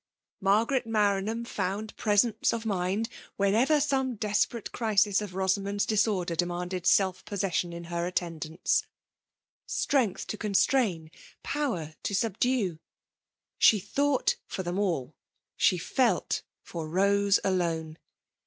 Margaret Maranham found presence of mind> whenever some desperate crisis of Rosa* mond*s disorder demanded self possession in 278 FEMALE DOMINATION. her attendantSi — Bttength to constrain^ power to subdue; she thought for them all^ — bke felt for Boae akme.